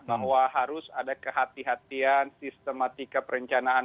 bahwa harus ada kehati hatian sistematika perencanaan